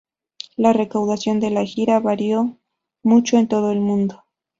La recaudación de la gira varió mucho en todo el mundo.